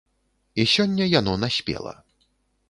І сёння яно наспела.